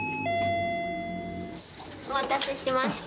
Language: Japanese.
お待たせしました。